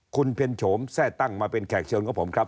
คุณเพ็ญโฉมแทร่ตั้งมาเป็นแขกเชิญของผมครับ